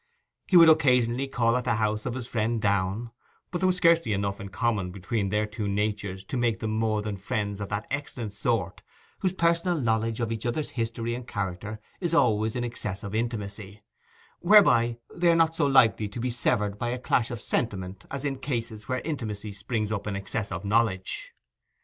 He would occasionally call at the house of his friend Downe; but there was scarcely enough in common between their two natures to make them more than friends of that excellent sort whose personal knowledge of each other's history and character is always in excess of intimacy, whereby they are not so likely to be severed by a clash of sentiment as in cases where intimacy springs up in excess of knowledge.